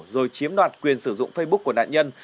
rồi chiếm đoạt quyền sử dụng facebook của nạn nhân